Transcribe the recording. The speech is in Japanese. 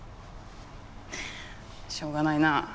しょうがないなあ。